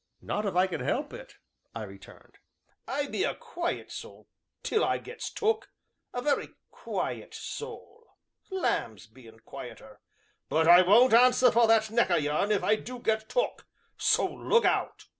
"Not if I can help it," I returned. "I be a quiet soul till I gets took a very quiet soul lambs bean't quieter, but I won't answer for that neck o' yourn if I do get took so look out!"